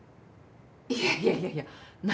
いやいやいやいや何？